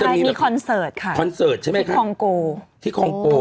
มีคอนเสิร์ตที่คอนโก